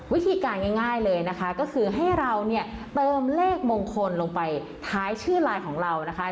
วิธีการง่ายเลยนะคะก็คือให้เราเนี่ยเติมเลขมงคลลงไปท้ายชื่อไลน์ของเรานะคะ